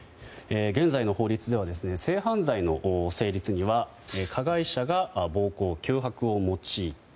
現在の法律では性犯罪の成立には加害者が暴行・脅迫を用いた。